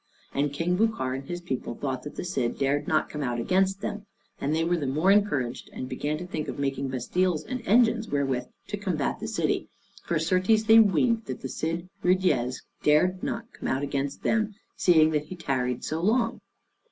And King Bucar and his people thought that the Cid dared not come out against them; and they were the more encouraged, and began to think of making bastiles and engines wherewith to combat the city, for certes they weened that the Cid Ruydiez dared not come out against them, seeing that he tarried so long.